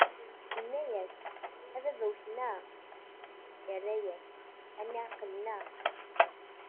Inna-yas: "A baba, wwten-aɣ". Irra-yas: "A mmi, εeqlen-aɣ".